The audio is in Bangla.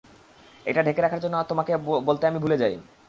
এটা ঢেকে রাখার জন্যে তোমাকে বলতে আমি ভুলে যাই।